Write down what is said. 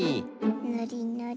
ぬりぬり。